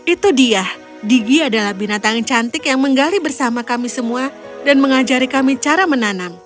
itu dia digi adalah binatang cantik yang menggali bersama kami semua dan mengajari kami cara menanam